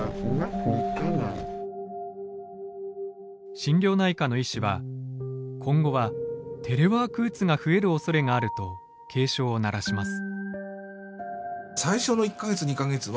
心療内科の医師は今後は「テレワークうつ」が増えるおそれがあると警鐘を鳴らします。